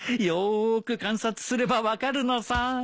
よく観察すれば分かるのさ。